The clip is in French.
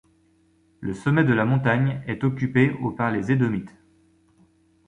Le sommet de la montagne est occupé au par les Édomites.